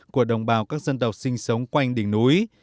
của đồng bào các dân tộc sinh sống quanh đỉnh núi